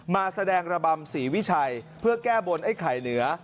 มาแสดงระบำศรีวิชัยเพื่อแก้บนไอ้ไข่เหนือ